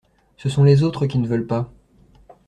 Ce sont les autres qui ne veulent pas.